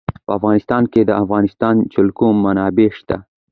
په افغانستان کې د د افغانستان جلکو منابع شته.